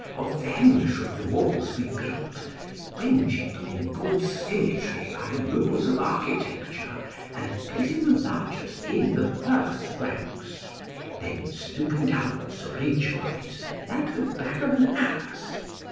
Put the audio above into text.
Of them should the walls be built, ranging them in good symmetry by the rules of architecture, and placing the largest in the first ranks, then sloping downwards ridge wise, like the back of an ass.